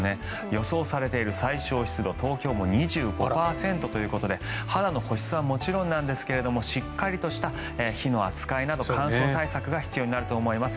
予想されている最小湿度東京は２５％ということで肌の保湿はもちろんですがしっかりとした火の扱いなど乾燥対策が必要になると思います。